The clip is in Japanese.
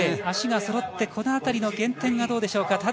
足が揃ってこのあたりの減点がどうでしょうか。